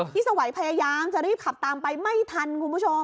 สวัยพยายามจะรีบขับตามไปไม่ทันคุณผู้ชม